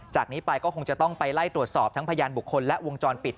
จากนี้ไปก็คงจะต้องไปไล่ตรวจสอบทั้งพยานบุคคลและวงจรปิด